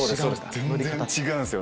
全然違うんですよ